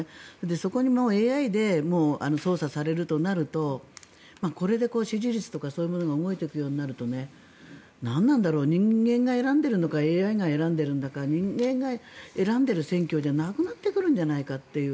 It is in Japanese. そこもＡＩで操作されるとなるとこれで支持率とかそういうものが動いてくるとなると何なんだろう人間が選んでいるのかＡＩが選んでるんだか人間が選んでる選挙じゃなくなってくるんじゃないかという